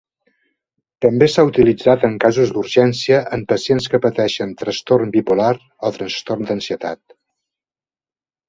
També s'ha utilitzat en casos d'urgència en pacients que pateixen trastorn bipolar o trastorn d'ansietat.